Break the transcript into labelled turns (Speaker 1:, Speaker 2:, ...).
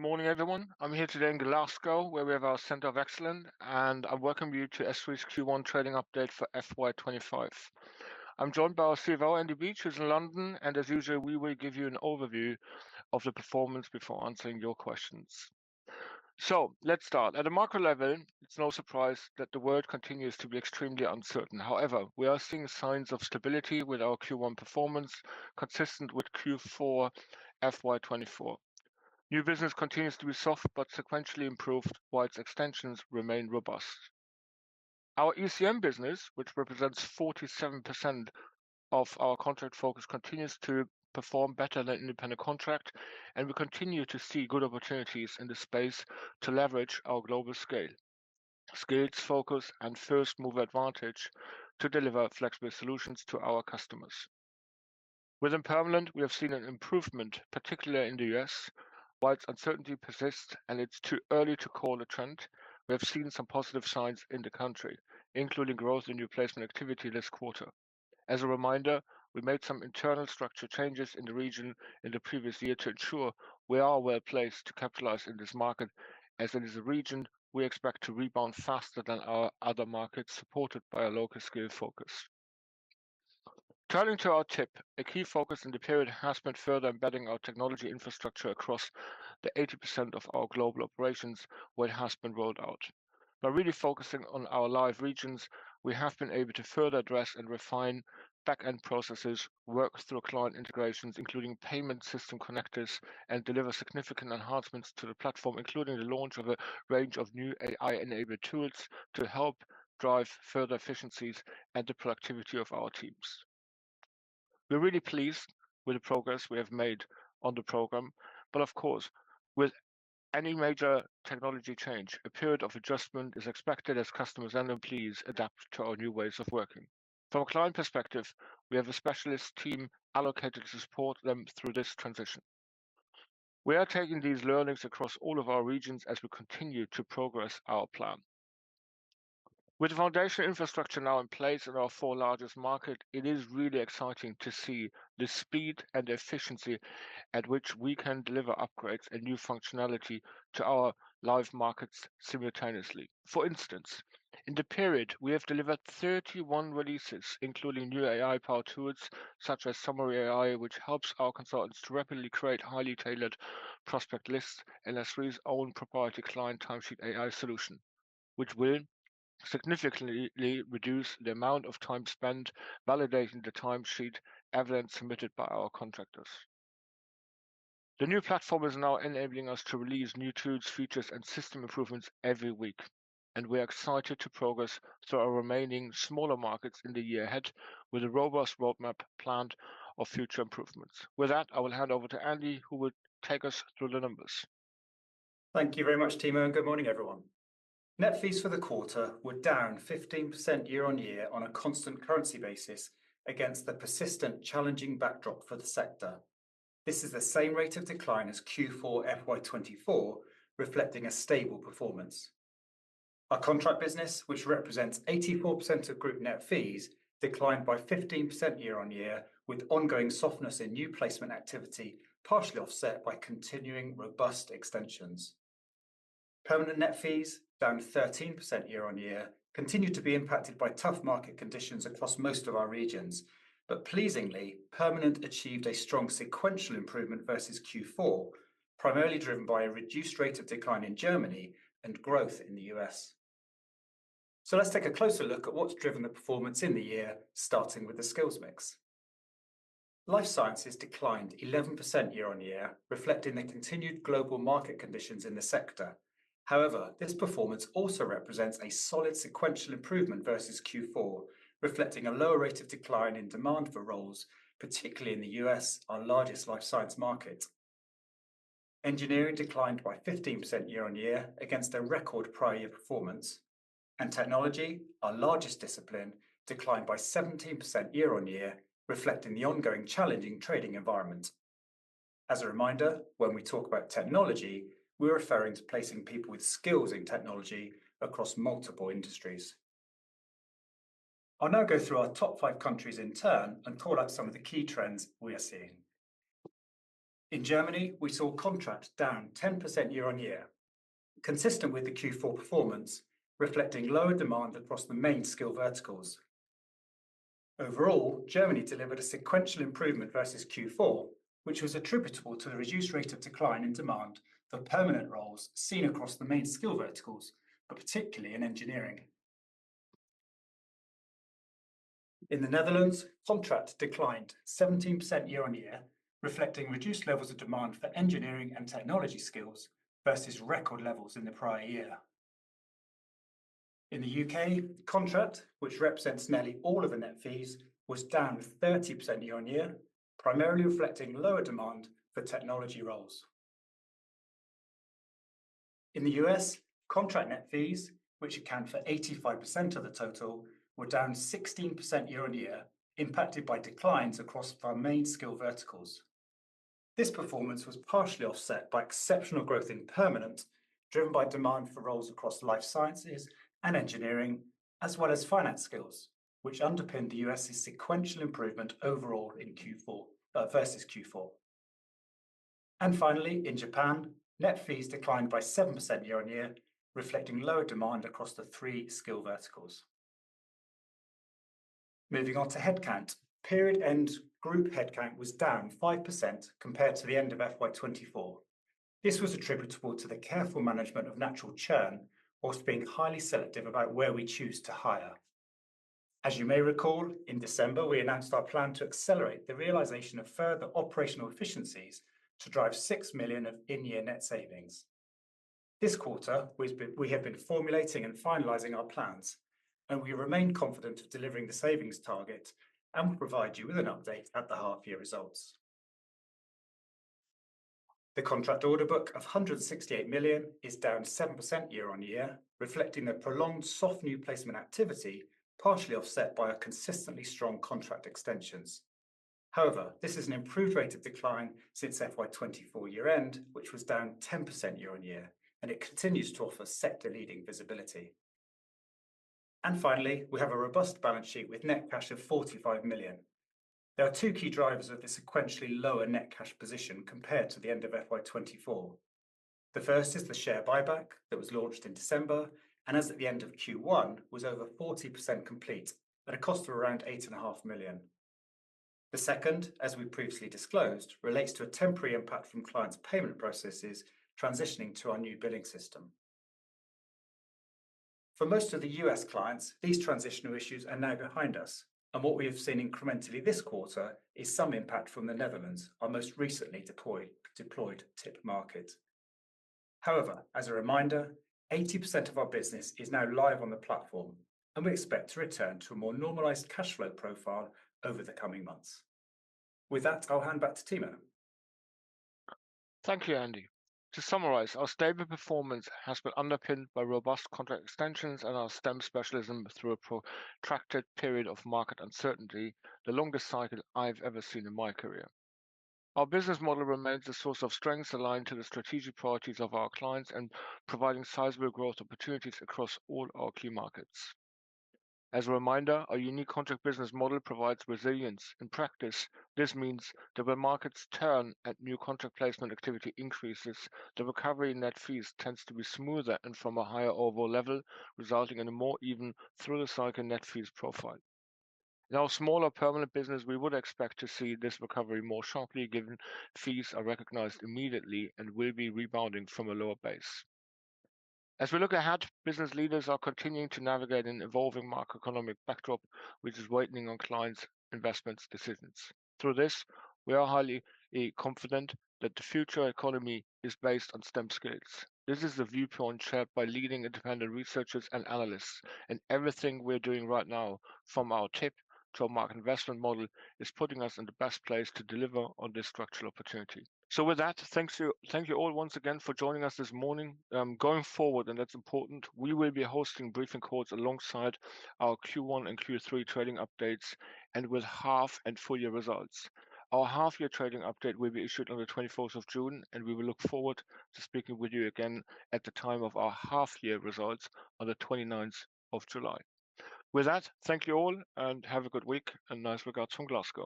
Speaker 1: Good morning, everyone. I'm here today in Glasgow, where we have our Centre of Excellence, and I'm working with you to SThree's Q1 trading update for FY2025. I'm joined by our CFO, Andrew Beach, who's in London, and as usual, we will give you an overview of the performance before answering your questions. Let's start. At a macro level, it's no surprise that the world continues to be extremely uncertain. However, we are seeing signs of stability with our Q1 performance, consistent with Q4 FY2024. New business continues to be soft, but sequentially improved, while its extensions remain robust. Our ECM business, which represents 47% of our contract fees, continues to perform better than Independent Contractors, and we continue to see good opportunities in the space to leverage our global scale, skills focus, and first-mover advantage to deliver flexible solutions to our customers. Within permanent, we have seen an improvement, particularly in the U.S., while uncertainty persists and it's too early to call a trend. We have seen some positive signs in the country, including growth in new placement activity this quarter. As a reminder, we made some internal structure changes in the region in the previous year to ensure we are well placed to capitalise in this market, as it is a region we expect to rebound faster than our other markets supported by a local skill focus. Turning to our Technology Improvement Programme, a key focus in the period has been further embedding our technology infrastructure across the 80% of our global operations where it has been rolled out. By really focusing on our live regions, we have been able to further address and refine back-end processes, work through client integrations, including payment system connectors, and deliver significant enhancements to the platform, including the launch of a range of new AI-driven tools to help drive further efficiencies and the productivity of our teams. We're really pleased with the progress we have made on the program. Of course, with any major technology change, a period of adjustment is expected as customers and employees adapt to our new ways of working. From a client perspective, we have a specialist team allocated to support them through this transition. We are taking these learnings across all of our regions as we continue to progress our plan. With the foundation infrastructure now in place in our four largest markets, it is really exciting to see the speed and efficiency at which we can deliver upgrades and new functionality to our live markets simultaneously. For instance, in the period, we have delivered 31 releases, including new AI-powered tools such as Summary AI, which helps our consultants to rapidly create highly tailored prospect lists and SThree's own proprietary client timesheet AI solution, which will significantly reduce the amount of time spent validating the timesheet evidence submitted by our contractors. The new platform is now enabling us to release new tools, features, and system improvements every week, and we are excited to progress through our remaining smaller markets in the year ahead with a robust roadmap planned of future improvements. With that, I will hand over to Andy, who will take us through the numbers.
Speaker 2: Thank you very much, Timo, and good morning, everyone. Net fees for the quarter were down 15% year-on-year on a constant currency basis against the persistent challenging backdrop for the sector. This is the same rate of decline as Q4 FY2024, reflecting a stable performance. Our Contract business, which represents 84% of group net fees, declined by 15% year-on-year, with ongoing softness in new placement activity partially offset by continuing robust extensions. Permanent net fees, down 13% year-on-year, continue to be impacted by tough market conditions across most of our regions, but pleasingly, permanent achieved a strong sequential improvement versus Q4, primarily driven by a reduced rate of decline in Germany and growth in the U.S. Let's take a closer look at what's driven the performance in the year, starting with the skills mix. Life Sciences declined 11% year-on-year, reflecting the continued global market conditions in the sector. However, this performance also represents a solid sequential improvement versus Q4, reflecting a lower rate of decline in demand for roles, particularly in the U.S., our largest life science market. Engineering declined by 15% year-on-year against a record prior year performance, and Technology, our largest discipline, declined by 17% year-on-year, reflecting the ongoing challenging trading environment. As a reminder, when we talk about technology, we're referring to placing people with skills in technology across multiple industries. I'll now go through our top five countries in turn and call out some of the key trends we are seeing. In Germany, we saw contracts down 10% year-on-year, consistent with the Q4 performance, reflecting lower demand across the main skill verticals. Overall, Germany delivered a sequential improvement versus Q4, which was attributable to the reduced rate of decline in demand for permanent roles seen across the main skill verticals, but particularly in engineering. In the Netherlands, contract declined 17% year-on-year, reflecting reduced levels of demand for engineering and technology skills versus record levels in the prior year. In the U.K., contract, which represents nearly all of the net fees, was down 30% year-on-year, primarily reflecting lower demand for technology roles. In the U.S., contract net fees, which account for 85% of the total, were down 16% year-on-year, impacted by declines across our main skill verticals. This performance was partially offset by exceptional growth in permanent, driven by demand for roles across life sciences and engineering, as well as finance skills, which underpinned the U.S.'s sequential improvement versus Q4. Finally, in Japan, net fees declined by 7% year-on-year, reflecting lower demand across the three skill verticals. Moving on to headcount, period-end group headcount was down 5% compared to the end of FY2024. This was attributable to the careful management of natural churn, whilst being highly selective about where we choose to hire. As you may recall, in December, we announced our plan to accelerate the realisation of further operational efficiencies to drive 6 million of in-year net savings. This quarter, we have been formulating and finalising our plans, and we remain confident of delivering the savings target and will provide you with an update at the half-year results. The contract order book of 168 million is down 7% year-on-year, reflecting the prolonged soft new placement activity, partially offset by our consistently strong contract extensions. However, this is an improved rate of decline since FY2024 year-end, which was down 10% year-on-year, and it continues to offer sector-leading visibility. Finally, we have a robust balance sheet with net cash of 45 million. There are two key drivers of the sequentially lower net cash position compared to the end of FY2024. The first is the share buyback that was launched in December and, as at the end of Q1, was over 40% complete at a cost of around 8.5 million. The second, as we previously disclosed, relates to a temporary impact from clients' payment processes transitioning to our new billing system. For most of the U.S. clients, these transitional issues are now behind us, and what we have seen incrementally this quarter is some impact from the Netherlands, our most recently deployed TIP market. However, as a reminder, 80% of our business is now live on the platform, and we expect to return to a more normalised cash flow profile over the coming months. With that, I'll hand back to Timo.
Speaker 1: Thank you, Andy. To summarize, our stable performance has been underpinned by robust contract extensions and our STEM specialism through a protracted period of market uncertainty, the longest cycle I've ever seen in my career. Our business model remains a source of strength, aligned to the strategic priorities of our clients and providing sizable growth opportunities across all our key markets. As a reminder, our unique Contract business model provides resilience. In practice, this means that when markets turn and new contract placement activity increases, the recovery in net fees tends to be smoother and from a higher overall level, resulting in a more even through the cycle net fees profile. In our smaller permanent business, we would expect to see this recovery more sharply, given fees are recognized immediately and will be rebounding from a lower base. As we look ahead, business leaders are continuing to navigate an evolving macroeconomic backdrop, which is weighing on clients' investment decisions. Through this, we are highly confident that the future economy is based on STEM skills. This is a viewpoint shared by leading independent researchers and analysts, and everything we're doing right now, from our TIP to our market investment model, is putting us in the best place to deliver on this structural opportunity. Thank you all once again for joining us this morning. Going forward, and that's important, we will be hosting briefing calls alongside our Q1 and Q3 trading updates and with half- and full-year results. Our half-year trading update will be issued on the 24th of June, and we will look forward to speaking with you again at the time of our half-year results on the 29th of July. With that, thank you all, and have a good week, and nice regards from Glasgow.